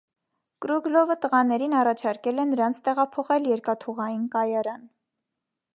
Կրուգլովը տղաներին առաջարկել է նրանց տեղափոխել երկաթուղային կայարան։